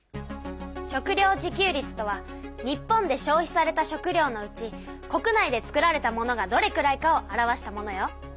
食料自給率とは日本で消費された食料のうち国内で作られたものがどれくらいかを表したものよ。